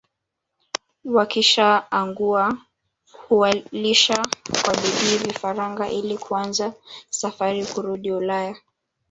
Wakishaangua huwalisha kwa bidii vifaranga ili kuanza safari kurudi Ulaya